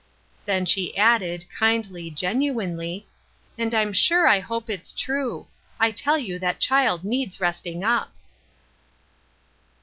'' Then she added, kindly, genuinely :" And I'm sure I hope it's true ; I tell you that child needs resting up.